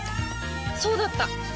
そうだった！